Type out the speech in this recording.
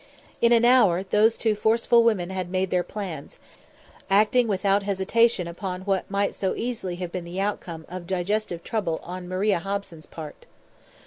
In an hour those two forceful women had made their plans, acting without hesitation upon what might so easily have been the outcome of digestive trouble on Maria Hobson's part.